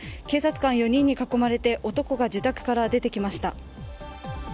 警察官４人に囲まれて男が自宅から出てきました。